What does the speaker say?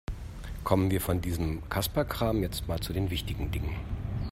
Kommen wir von diesem Kasperkram jetzt mal zu den wichtigen Dingen.